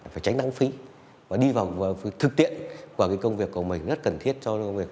phải tránh lãng phí và đi vào thực tiện của công việc của mình rất cần thiết cho việc